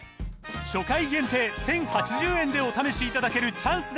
初回限定１，０８０円でお試しいただけるチャンスです